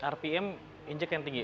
rpm injek yang tinggi